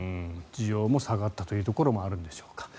需要も下がったというところもあるんでしょうか。